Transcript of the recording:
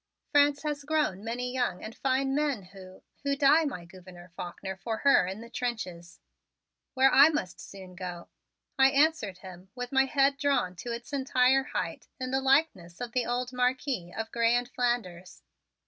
"France has grown many young and fine men who who die, my Gouverneur Faulkner for her in the trenches, where I must soon go," I answered him with my head drawn to its entire height in the likeness of the old Marquis of Grez and Flanders.